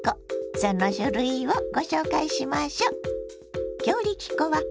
その種類をご紹介しましょ。